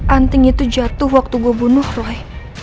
anting itu jatuh waktu gue bunuh roy